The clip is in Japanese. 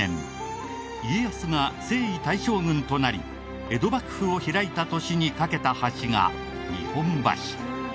家康が征夷大将軍となり江戸幕府を開いた年に架けた橋が日本橋。